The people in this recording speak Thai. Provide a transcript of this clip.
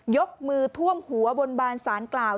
ยกมือท่วมหัวบนบานสารกล่าว